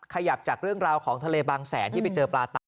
ขยับจากเรื่องราวของทะเลบางแสนที่ไปเจอปลาตัก